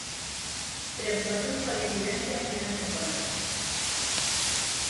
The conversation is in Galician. Preocupación pola incidencia en plena temporada.